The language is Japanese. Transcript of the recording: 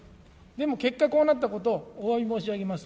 でも結果、こうなったことを、おわび申し上げます。